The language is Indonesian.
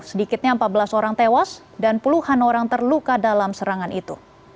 sedikitnya empat belas orang tewas dan puluhan orang terluka dalam serangan itu